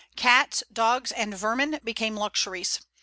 Cats, dogs, and vermin became luxuries.